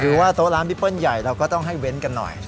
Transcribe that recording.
ว่าโต๊ะร้านพี่เปิ้ลใหญ่เราก็ต้องให้เว้นกันหน่อย